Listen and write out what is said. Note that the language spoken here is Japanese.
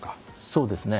そうですね。